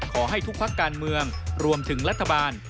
ขอให้ทุกพักการเมืองรวมถึงรัฐบาล